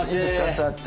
座って。